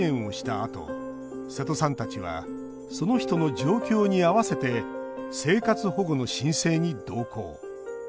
あと瀬戸さんたちはその人の状況に合わせて生活保護の申請に同行。